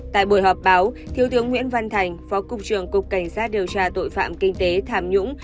tại buổi họp báo thiếu tướng nguyễn văn thành phó cục trưởng cục cảnh sát điều tra tội phạm kinh tế tham nhũng